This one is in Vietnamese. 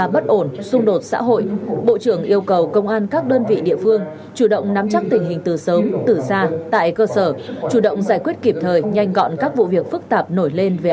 bộ trưởng tô lâm yêu cầu công an các đơn vị địa phương phải tập trung thực hiện thắng lợi ba mục tiêu quan trọng